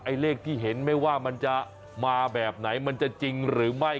เลขที่เห็นไม่ว่ามันจะมาแบบไหนมันจะจริงหรือไม่